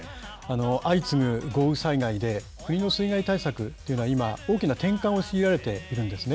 相次ぐ豪雨災害で、国の水害対策というのは、今、大きな転換を強いられているんですね。